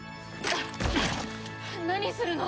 何するの！？